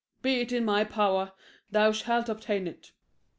be it in my power, Thou shalt obtain it.